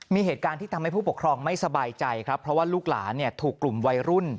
มีเหตุการณ์ที่ทำให้ผู้ปกครองไม่สบายใจครับเพราะว่าลูกหลานเนี่ยถูกกลุ่มวัยรุ่น